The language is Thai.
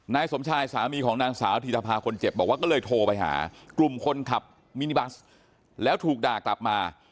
นายสมชายสามีของนางสาวธีทภาคนเจ็บบอกว่าก็เลยโทรไปหากลุ่มคนขับมินิบัสแล้วถูกด่ากลับมา